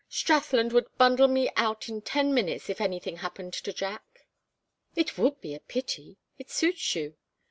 "Strathland would bundle me out in ten minutes if anything happened to Jack." "It would be a pity; it suits you."